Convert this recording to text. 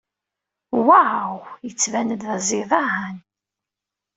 Waw, yettban-d d aẓidan.